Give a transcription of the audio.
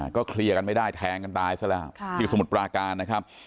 ก็เคลียร์กันไม่ได้แทงกันตายซะแล้วที่สมุทรปราการนะครับ